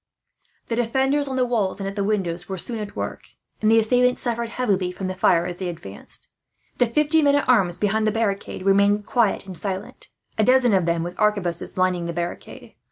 The defenders on the walls and at the windows were soon at work, and the assailants suffered heavily from the fire, as they advanced. The fifty men at arms behind the barricade remained quiet and silent, a dozen of them with arquebuses lining the barricade.